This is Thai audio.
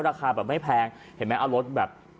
ราคาแบบไม่แพงเห็นไหมเอารถแบบ